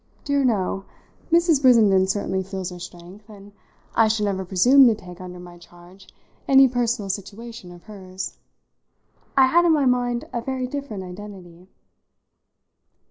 "Dear no! Mrs. Brissenden certainly feels her strength, and I should never presume to take under my charge any personal situation of hers. I had in my mind a very different identity."